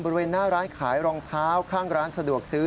บริเวณหน้าร้านขายรองเท้าข้างร้านสะดวกซื้อ